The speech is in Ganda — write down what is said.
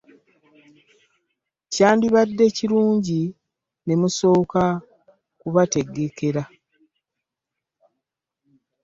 Kyandibadde kirungi ne musooka kubategekera.